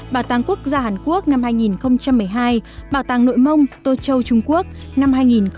bảo tàng quốc gia hàn quốc năm hai nghìn một mươi hai bảo tàng nội mông tô châu trung quốc năm hai nghìn một mươi